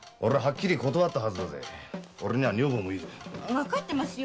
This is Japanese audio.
わかってますよ